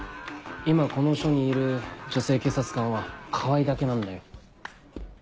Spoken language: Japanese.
今この署にいる女性警察官は川合だけなんだよ。